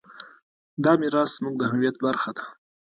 دا میراث زموږ د هویت برخه ده.